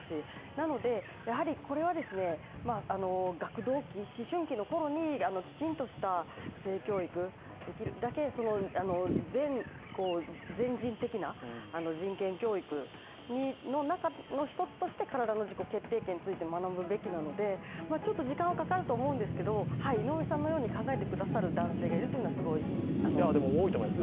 なので、これは学童期、思春期のころにきちんとした性教育、できるだけ全人的な人権教育の中の一つとして体の自己決定権についても学ぶべきなのでちょっと時間はかかると思うんですけど、井上さんのように考えてくださる男性がいるというのはいいと思います。